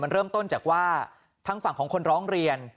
เริ่มต้นจากว่าทางฝั่งของคนร้องเรียน